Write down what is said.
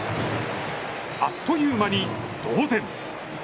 あっという間に同点。